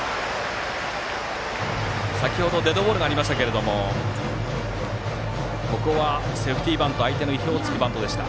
先程、デッドボールがありましたがここはセーフティーバントで相手の意表を突きました。